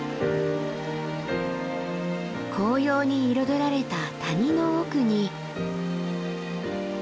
紅葉に彩られた谷の奥に。